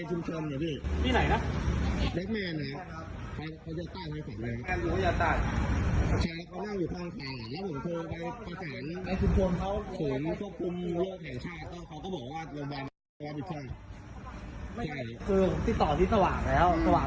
ติดต่อที่สหาท์แล้วสหาท์เขาบอกว่าเราให้รอให้ต้องถ่ายตัวเอง